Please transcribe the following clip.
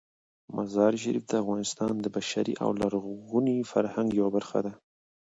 مزارشریف د افغانستان د بشري او لرغوني فرهنګ یوه برخه ده.